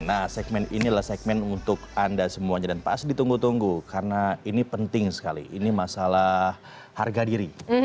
nah segmen inilah segmen untuk anda semuanya dan pasti ditunggu tunggu karena ini penting sekali ini masalah harga diri